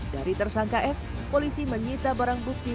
dari tersangka s polisi menyita barang bukti